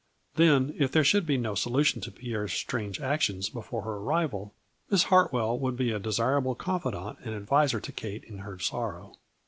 Then, if there should be no solution to Pierre's strange actions before her arrival, Miss Hartwell would be a desirable confidant and adviser to Kate in her sorrow.